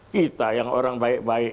kita yang orang baik baik